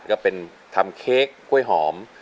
ก็เป็นทำเค้กกล้วยหอม